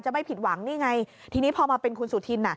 ไม่ผิดหวังนี่ไงทีนี้พอมาเป็นคุณสุธิน